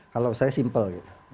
kalau saya simpel gitu